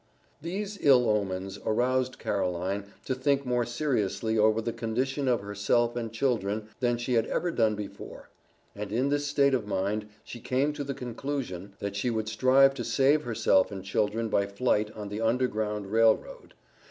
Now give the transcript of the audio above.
These ill omens aroused Caroline to think more seriously over the condition of herself and children than she had ever done before, and in this state of mind she came to the conclusion, that she would strive to save herself and children by flight on the Underground Rail Road.